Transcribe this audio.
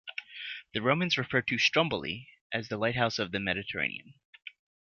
The Romans referred to Stromboli as the Lighthouse of the Mediterranean.